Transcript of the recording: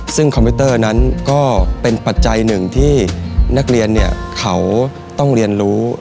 ซึ่งคอมพิวเตอร์นั้นก็เป็นปัจจัยหนึ่งที่นักเรียนเนี่ยเขาต้องเรียนรู้